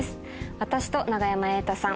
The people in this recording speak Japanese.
私と永山瑛太さん